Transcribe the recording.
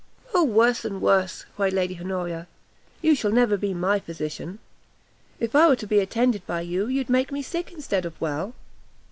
"O worse and worse!" cried Lady Honoria; "you shall never be my physician; if I was to be attended by you, you'd make me sick instead of well."